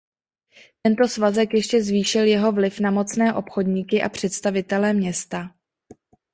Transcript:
Tento svazek ještě zvýšil jeho vliv na mocné obchodníky a představitele města.